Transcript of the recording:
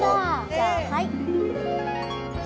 じゃあはい。